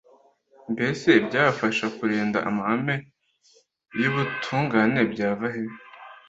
mbese ibyabafasha kurinda amahame y’ubutungane byava he?